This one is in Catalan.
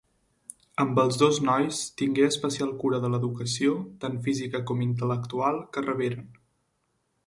Amb els dos nois tingué especial cura de l'educació, tant física com intel·lectual, que reberen.